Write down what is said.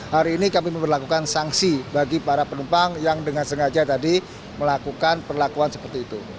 hari ini kami memperlakukan sanksi bagi para penumpang yang dengan sengaja tadi melakukan perlakuan seperti itu